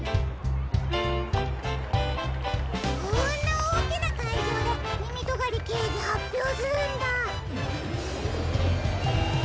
こんなおおきなかいじょうでみみとがりけいじはっぴょうするんだあ。